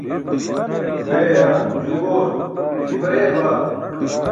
beeya, juu goor, tʰi bareya baa.